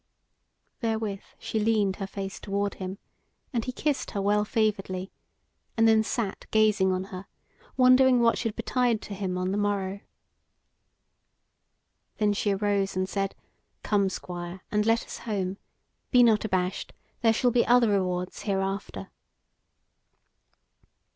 Therewith she leaned her face toward him, and he kissed her well favouredly, and then sat gazing on her, wondering what should betide to him on the morrow. Then she arose and said: "Come, Squire, and let us home; be not abashed, there shall be other rewards hereafter."